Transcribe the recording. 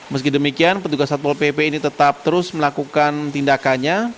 meski demikian petugas satpol pp ini tetap terus melakukan tindakannya